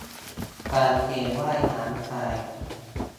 กางเกงว่ายน้ำชาย